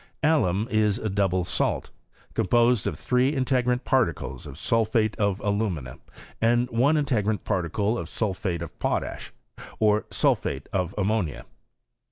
Alum is a double salt, composed of three integrant particles of sulphate of alumina, and one integrant particle of sulphate of potash, or sulphate of am monia.